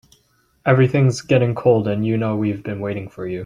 Everything's getting cold and you know we've been waiting for you.